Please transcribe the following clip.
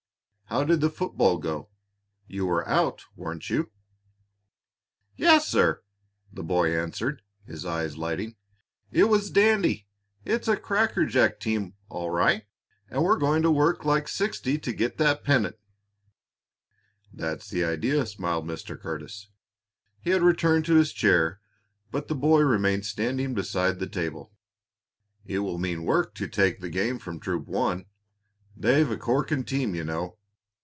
How did the football go? You were out, weren't you?" "Yes, sir," the boy answered, his eyes lighting. "It was dandy! It's a crackerjack team, all right, and we're going to work like sixty to get that pennant." "That's the idea!" smiled Mr. Curtis. He had returned to his chair, but the boy remained standing beside the table. "It will mean work to take the game from Troop One; they've a corking team, you know.